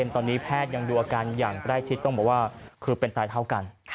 ตอนนี้แพทย์ยังดูอาการอย่างใกล้ชิดต้องบอกว่าคือเป็นตายเท่ากัน